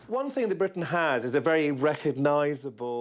คุณบริษัทมีความรู้สึกว่า